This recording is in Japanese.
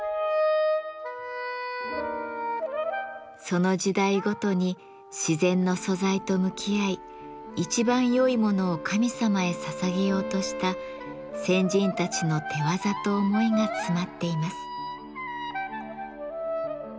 その時代ごとに自然の素材と向き合い一番よいものを神様へささげようとした先人たちの手業と思いが詰まっています。